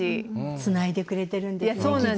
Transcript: つないでくれてるんですね絆。